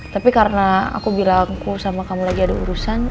tapi karena aku bilangku sama kamu lagi ada urusan